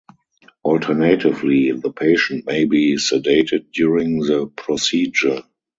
Alternatively, the patient may be sedated during the procedure.